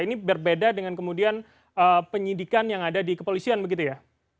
ini berbeda dengan kemudian penyidikan yang ada di kepolisian begitu ya